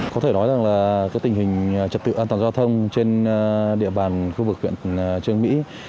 có thể nói rằng là tình hình trật tự an toàn giao thông trên địa bàn khu vực huyện trường mỹ